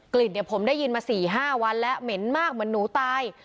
กลิ่นเนี่ยผมได้ยินมา๔๕วันแล้วเหม็นมากเหมือนหนูตาย